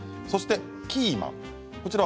そして、キーマンです。